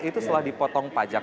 itu setelah dipotong pajak